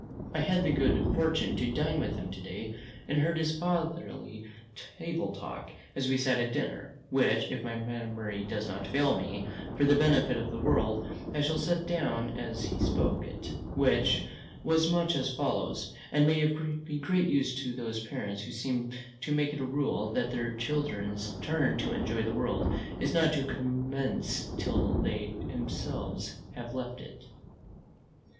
I had the good fortune to dine with him to day, and heard his fatherly table talk as we sat at dinner, which, if my memory does not fail me, for the benefit of the world, I shall set down as he spoke it; which was much as follows, and may be of great use to those parents who seem to make it a rule, that their children's turn to enjoy the world is not to commence till they themselves have left it.